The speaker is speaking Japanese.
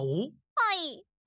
はい。